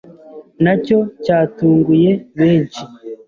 na cyo cyatunguye benshi